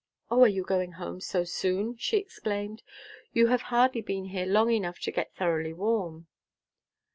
"O, are you going home so soon?" she exclaimed. "You have hardly been here long enough to get thoroughly warm."